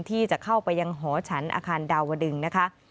ที่จะเข้าไปยังหอฉันอาคารดาวดึงนะคะ